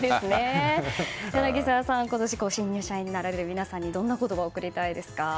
柳澤さん、新入社員の皆さんにどんな言葉を送りたいですか。